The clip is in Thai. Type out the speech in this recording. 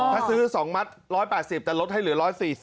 ถ้าซื้อ๒มัด๑๘๐แต่ลดให้เหลือ๑๔๐